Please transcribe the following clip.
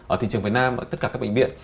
ở thị trường việt nam ở tất cả các bệnh viện